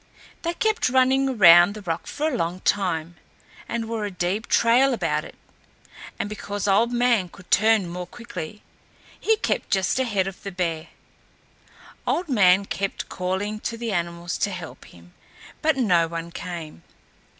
They kept running around the rock for a long time and wore a deep trail about it, and because Old Man could turn more quickly, he kept just ahead of the bear. Old Man kept calling to the animals to help him, but no one came.